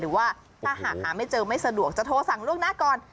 หรือว่าถ้าหากหาไม่เจอไม่สะดวกจะโทรสั่งล่วงหน้าก่อน